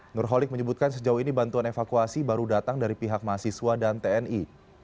nurholik menyebutkan sejauh ini bantuan evakuasi baru datang dari pihak mahasiswa dan tni